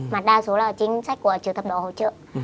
mà đa số là chính sách của trường thập đó hỗ trợ